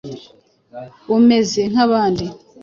Umeze nkabandi.